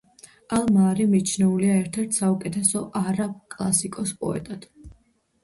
ალ-მაარი მიჩნეულია ერთ-ერთ საუკეთესო არაბ კლასიკოს პოეტად.